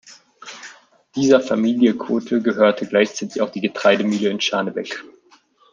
Dieser Familie Kothe gehörte gleichzeitig auch die Getreidemühle in Scharnebeck.